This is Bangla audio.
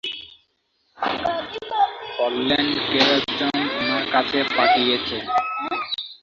বললেন কেউ একজন উনার কাছে পাঠিয়েছে।